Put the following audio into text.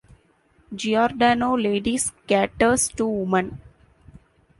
Giordano Ladies caters to women.